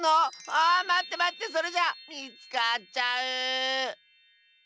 あまってまってそれじゃあみつかっちゃう！